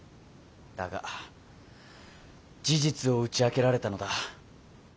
だが事実を打ち明けられたのだ。